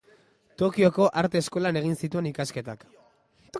Tokioko Arte Eskolan egin zituen ikasketak.